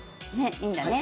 いいんだね。